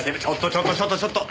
ちょっとちょっとちょっと！